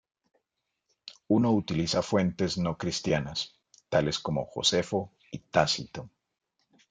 Uno utiliza fuentes no cristianas, tales como Josefo y Tácito.